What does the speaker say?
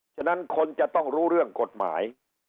ฉะนั้นคนจะต้องรู้เรื่องกฎหมาย